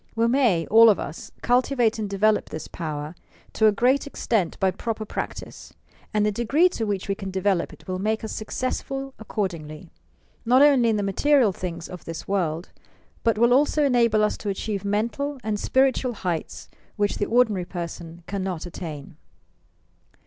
We may, all of us, cultivate and develop this power to a great extent by proper practice, and the degree to which we can develop it will make us success ful accordingly, not only in the material things of this world, but will also enable us to achieve mental and spiritual heights which the ordinary person cannot attain.